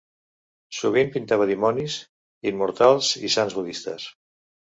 Sovint pintava dimonis, Immortals i sants budistes.